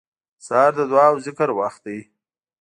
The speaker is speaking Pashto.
سهار د دعا او ذکر وخت دی.